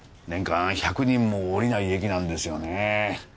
年間１００人も降りない駅なんですよね。